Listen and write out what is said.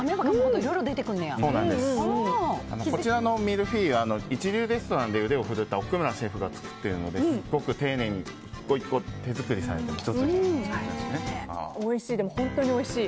こちらのミルフィーユは一流レストランで腕を振るったシェフが作っているのですごく丁寧においしい、本当においしい。